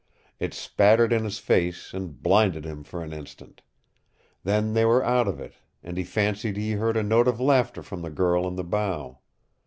It spattered in his face, and blinded him for an instant. Then they were out of it, and he fancied he heard a note of laughter from the girl in the bow.